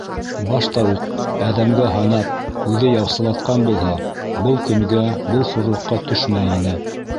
Башта уҡ әҙәмгә һанап үҙе яусылатҡан булһа, был көнгә, был хурлыҡҡа төшмәй инек.